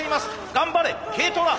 頑張れＫトラ！